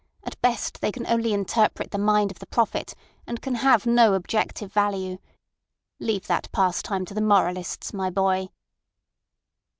At best they can only interpret the mind of the prophet, and can have no objective value. Leave that pastime to the moralists, my boy."